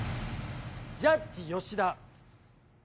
ジャッジ吉田。